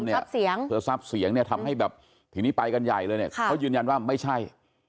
ทรัพย์เสียงเพื่อทรัพย์เสียงเนี่ยทำให้แบบทีนี้ไปกันใหญ่เลยเนี่ยเขายืนยันว่าไม่ใช่